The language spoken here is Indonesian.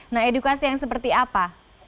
nah edukasi yang seperti apa